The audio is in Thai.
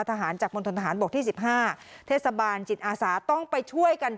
สหารจากมณฑฐานทหารบกที่สิบห้าเทศบาลจิตอาสาต้องไปช่วยกัน